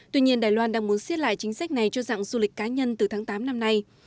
tuy nhiên đài loan đang muốn xiết lại chính sách này cho dạng du lịch cá nhân từ tháng tám năm nay